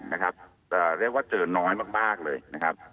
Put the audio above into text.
เรียกว่าเจอน้อยมากเลยนะครับ